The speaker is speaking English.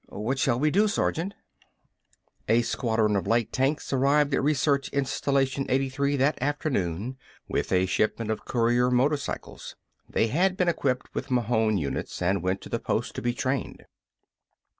What shall we do, Sergeant?" A squadron of light tanks arrived at Research Installation 83 that afternoon, with a shipment of courier motorcycles. They had been equipped with Mahon units and went to the post to be trained.